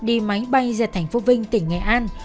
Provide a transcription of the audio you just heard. đi máy bay ra thành phố vinh tỉnh nghệ an